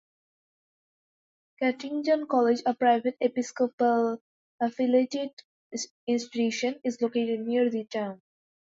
Cuttington College, a private, Episcopal-affiliated institution, is located near the town.